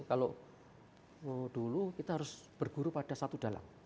kalau dulu kita harus berguru pada satu dalang